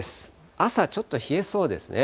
朝ちょっと冷えそうですね。